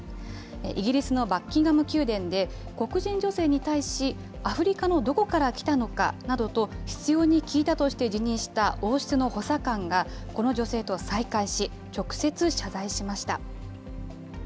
イギリスのバッキンガム宮殿で、黒人女性に対し、アフリカのどこから来たのかなどと執ように聞いたとして辞任した王室の補佐官がこの女性と再会し、直接謝罪しました。